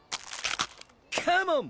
カモン！